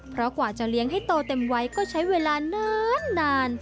เพราะกว่าจะเลี้ยงให้โตเต็มไว้ก็ใช้เวลานาน